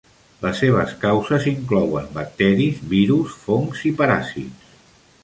Les seves causes inclouen bacteris, virus, fongs i paràsits.